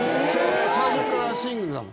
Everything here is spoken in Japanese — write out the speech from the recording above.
最初からシングルだもん。